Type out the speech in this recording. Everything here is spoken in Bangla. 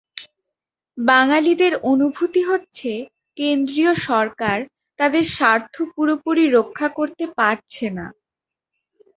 বাঙালিদের অনুভূতি হচ্ছে কেন্দ্রীয় সরকার তাদের স্বার্থ পুরোপুরি রক্ষা করতে পারছে না।